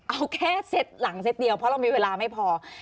เอาแค่เซตหลังเซ็ตเดียวเพราะเรามีเวลาไม่พอ